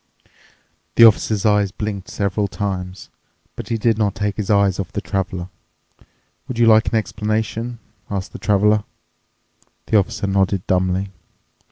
The Officer's eyes blinked several times, but he did not take his eyes off the Traveler. "Would you like an explanation," asked the Traveler. The Officer nodded dumbly.